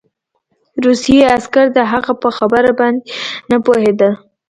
روسي عسکر د هغه په خبره باندې نه پوهېدل